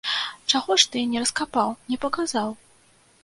Чаго ж ты не раскапаў, не паказаў?